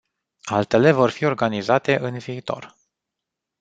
Altele vor fi organizate în viitor.